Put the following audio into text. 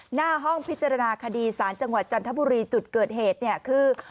หน้าห้องพิจารณาคดีสารจังหวัดจันทบุรีจุดเกิดเหตุเนี่ยคือ